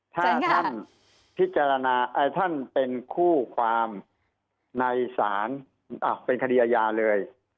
ถ้าท่านพิจารณาท่านเป็นคู่ความในศาลเป็นคดีอาญาเลย